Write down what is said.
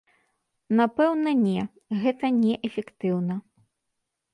Напэўна не, гэта неэфектыўна.